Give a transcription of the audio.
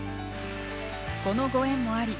このご縁もあり